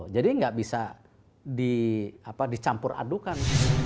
jadi nggak bisa dicampur adukan